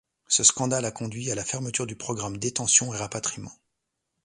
Ce scandale a conduit à la fermeture du programme Détention et Rapatriement.